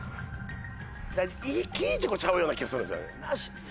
キイチゴちゃうような気がするんですよね。